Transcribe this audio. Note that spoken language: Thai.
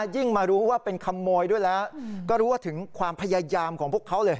ยิ่งมารู้ว่าเป็นขโมยด้วยแล้วก็รู้ว่าถึงความพยายามของพวกเขาเลย